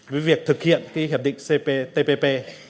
với việc thực hiện hiệp định cptpp